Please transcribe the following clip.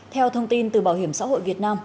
theo thông tin từ bảo hiểm xã hội việt nam